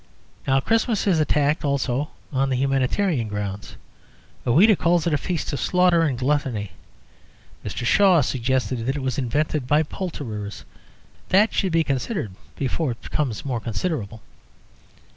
Now Christmas is attacked also on the humanitarian ground. Ouida called it a feast of slaughter and gluttony. Mr. Shaw suggested that it was invented by poulterers. That should be considered before it becomes more considerable.